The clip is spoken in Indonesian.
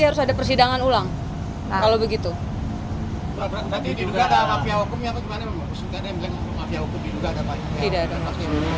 harus ada persidangan ulang kalau begitu berarti juga ada mafia hukumnya kemana